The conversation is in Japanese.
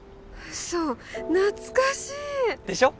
ウソ懐かしいでしょ？